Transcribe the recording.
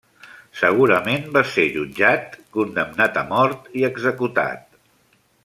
Segurament va ser jutjat, condemnat a mort i executat.